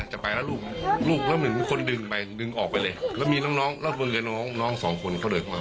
เหมือนยังไม่ถึงเวลา